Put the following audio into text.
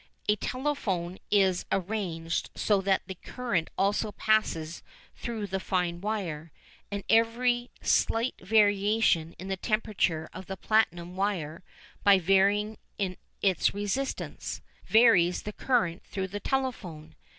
A telephone is arranged so that its current also passes through the fine wire, and every slight variation in the temperature of the platinum wire, by varying its resistance, varies the current through the telephone.